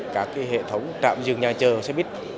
các hệ thống trạm dừng nhà chờ xe buýt